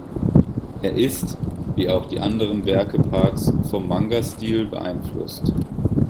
Er ist, wie auch die anderen Werke Parks, vom Manga-Stil beeinflusst.